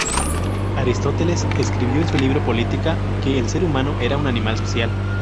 Aristóteles escribió en su libro Política que el ser humano era un animal social.